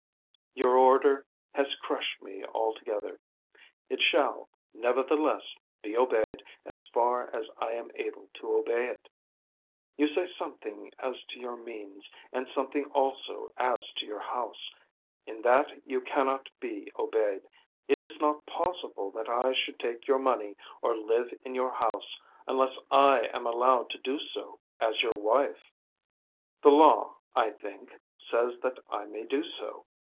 Your order has crushed me altogether. It shall, nevertheless, be obeyed as far as I am able to obey it. You say something as to your means, and something also as to your house. In that you cannot be obeyed. It is not possible that I should take your money or live in your house unless I am allowed to do so as your wife. The law, I think, says that I may do so.